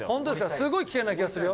すごい危険な気がするよ。